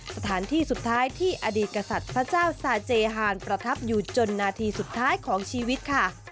สถานที่สุดท้ายที่อดีตกษัตริย์พระเจ้าสาเจฮานประทับอยู่จนนาทีสุดท้ายของชีวิตค่ะ